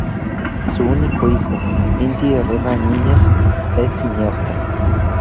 Su único hijo, Inti Herrera Núñez, es cineasta.